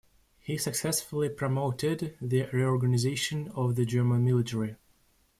He successfully promoted the reorganization of the German military.